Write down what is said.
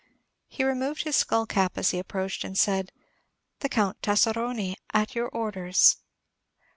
He removed his skull cap as he approached, and said, "The Count Tasseroni, at your orders."